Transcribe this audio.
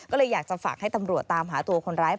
ก็เลยอยากจะฝากให้ตำรวจตามหาตัวคนร้าย